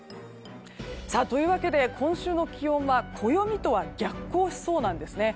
というわけで今週の気温は暦とは逆行しそうなんですね。